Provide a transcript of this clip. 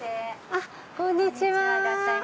あっこんにちは。